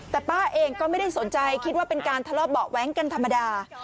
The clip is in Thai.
แต่ป้าเองก็ไม่ได้สนใจคิดว่าเป็นการทะเลาะเบาะแว้งกันธรรมดา